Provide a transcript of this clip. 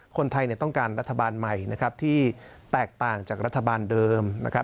คนไทยเนี่ยต้องการรัฐบาลใหม่นะครับที่แตกต่างจากรัฐบาลเดิมนะครับ